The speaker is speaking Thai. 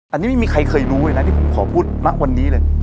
อันนี้ไม่มีใครเคยรู้เลยนะที่ผมขอพูดณวันนี้เลย